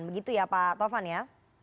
begitu ya pak tovan ya